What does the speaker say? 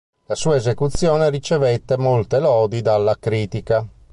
La sua esecuzione ricevette molte lodi dalla critica.